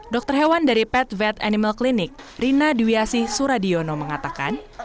dokter hewan dari pet vet animal clinic rina dwi asih suradiono mengatakan